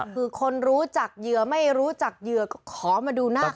คือคนรู้จักเหยื่อไม่รู้จักเหยื่อก็ขอมาดูหน้า